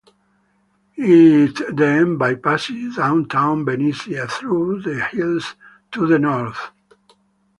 It then bypasses downtown Benicia through the hills to the north.